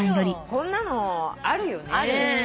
こんなのあるよね？